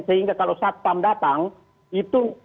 sehingga kalau satpam datang itu